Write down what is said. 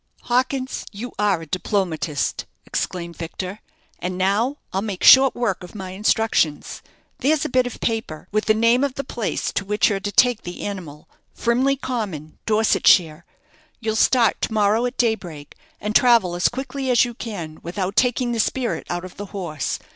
"Hawkins, you are a diplomatist," exclaimed Victor; "and now I'll make short work of my instructions. There's a bit of paper, with the name of the place to which you're to take the animal Frimley Common, Dorsetshire. You'll start to morrow at daybreak, and travel as quickly as you can without taking the spirit out of the horse.